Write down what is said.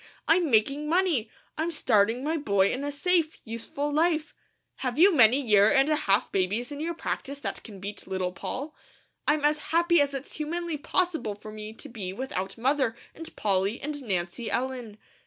I'm making money, I'm starting my boy in a safe, useful life; have you many year and a half babies in your practice that can beat Little Poll? I'm as happy as it's humanly possible for me to be without Mother, and Polly, and Nancy Ellen.